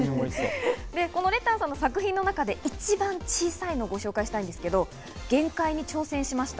レタンさんの作品で一番小さいものをご紹介したいんですけど、限界に挑戦しました。